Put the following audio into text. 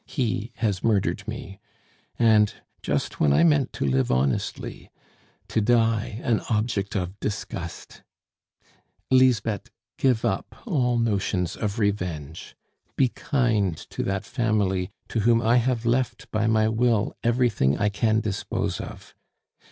He has murdered me. And just when I meant to live honestly to die an object of disgust! "Lisbeth, give up all notions of revenge. Be kind to that family to whom I have left by my will everything I can dispose of.